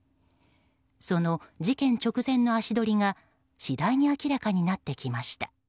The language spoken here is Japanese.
その事件直前の足取りが次第に明らかになってきました。